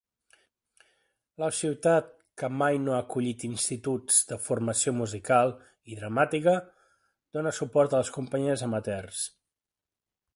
La ciutat, que mai no ha acollit instituts de formació musical i dramàtica, dóna suport a les companyies amateurs.